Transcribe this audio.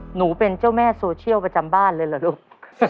หนูเป็นเจ้าแม่โซเชียลประจำบ้านเลยเหรอลูก